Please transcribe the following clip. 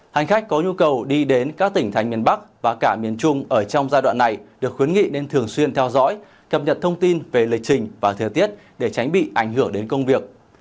hành khách có nhu cầu đi đến các tỉnh thành miền bắc và cả miền trung ở trong giai đoạn này được khuyến nghị nên thường xuyên theo dõi cập nhật thông tin về lịch trình và thời tiết để tránh bị ảnh hưởng đến công việc